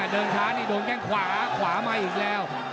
เดินช้านี่โดนแข้งขวาขวามาอีกแล้ว